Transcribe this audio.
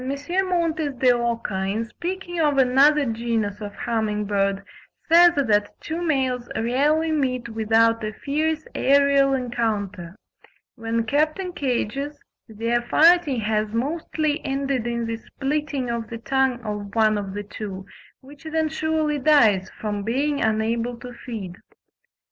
Montes de Oca, in speaking or another genus of humming bird, says that two males rarely meet without a fierce aerial encounter: when kept in cages "their fighting has mostly ended in the splitting of the tongue of one of the two, which then surely dies from being unable to feed."